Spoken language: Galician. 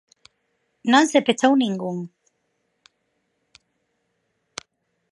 ¡Non se pechou ningún!